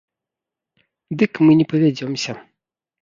Дык мы не павядзёмся.